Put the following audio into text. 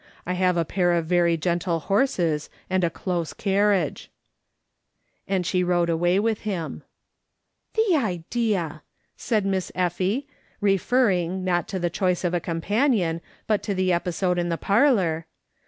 I have a pair of very gentle horses and a close carnage." "/ DO DISLIKE scenes:' 155 And she rode away with him. " The idea !" said Miss Effie, referring, not to the choice of a companiou, but to the episode in the parlour.